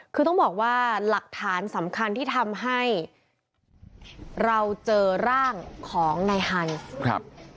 คือต้องบอกว่าหลักฐานสำคัญที่ทำให้เราเจอร่างของนายฮันส์ครับ